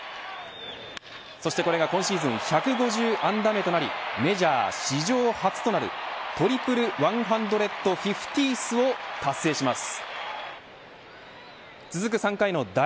そしてこれが今シーズン１５０安打目となりメジャー史上初となるトリプル１５０エースを達成します。